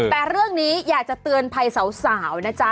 แต่เรื่องนี้อยากจะเตือนภัยสาวนะจ๊ะ